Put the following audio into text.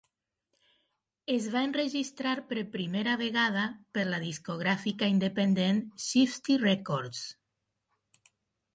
Es va enregistrar per primera vegada per la discogràfica independent Shifty Records.